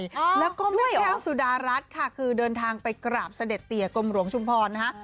แล้วก็แม่แก้วสุดารัฐค่ะคือเดินทางไปกราบเสด็จเตียกรมหลวงชุมพรนะฮะ